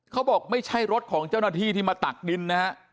เขาบอกไม่ใช่รถของเจ้าหน้าที่ที่มาตักดินนะฮะ